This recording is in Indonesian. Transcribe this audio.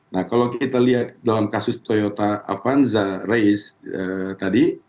nah kalau kita lihat dalam kasus toyota avanza race tadi